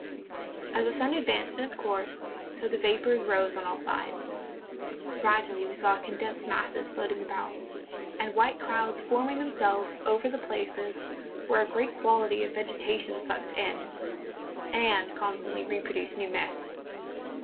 As the sun advanced in its course, so the vapours rose on all sides; gradually we saw condensed masses floating about, and white clouds forming them THE PEAK OF TENERIFFE. 269 selves over the places where a great quantity of ve¬ getation sucked in and constantly reproduced new mists.